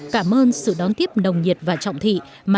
cảm ơn sự đón tiếp nồng nhiệt và trọng thị